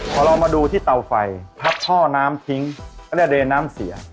พอเรามาดูที่เตาไฟถ้าท่อน้ำทิ้งก็จะเรียนน้ำเสีย